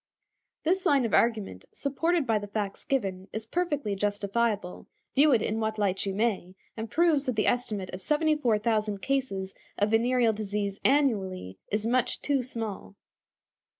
This line of argument, supported by the facts given, is perfectly justifiable, view it in what light you may, and proves that the estimate of 74,000 cases of venereal disease annually is much too small.